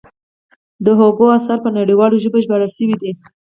د هوګو اثار په نړیوالو ژبو ژباړل شوي دي.